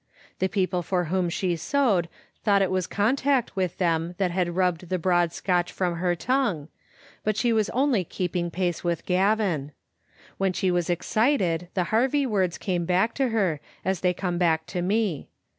The people for whom she sewed thought it was contact with them that had rubbed the broad Scotch from her tongue, but she Was only keeping pace with Gavin. When she was ex cited the Harvie words came back to her, as they come back to me.